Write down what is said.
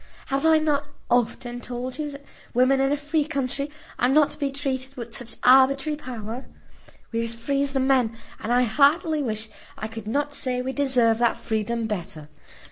Have I not often told you that women in a free country are not to be treated with such arbitrary power? We are as free as the men, and I heartily wish I could not say we deserve that freedom better.